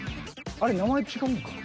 あれ名前違うんかな。